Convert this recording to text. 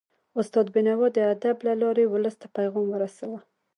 استاد بينوا د ادب له لارې ولس ته پیغام ورساوه.